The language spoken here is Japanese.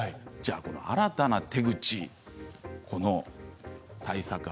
この新たな手口この対策